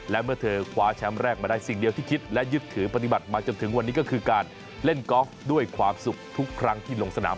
และเมื่อเธอคว้าแชมป์แรกมาได้สิ่งเดียวที่คิดและยึดถือปฏิบัติมาจนถึงวันนี้ก็คือการเล่นกอล์ฟด้วยความสุขทุกครั้งที่ลงสนาม